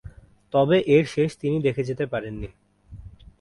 তবে এর শেষ তিনি দেখে যেতে পারেননি।